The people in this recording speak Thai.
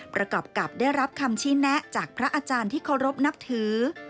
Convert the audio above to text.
ประกอบกับได้รับคำชี้แนะจากพระอาจารย์ที่เคารพนับถือ